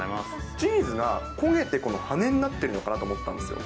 チーズが焦げて、この羽根になってるのかなと思ったんですよ。